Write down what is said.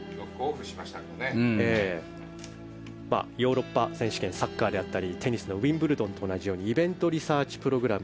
ヨーロッパ選手権サッカーであったりテニスのウィンブルドンと同様イベントリサーチプログラム